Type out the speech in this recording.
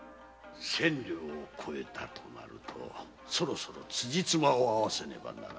〔千両を超えたとなるとそろそろつじつまを合わせねばならぬな〕